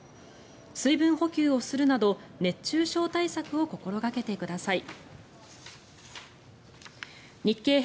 水分補給をするなど熱中症対策を心掛けてください。